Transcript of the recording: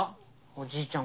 おじいちゃん